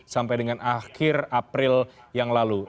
sampai dengan akhir april yang lalu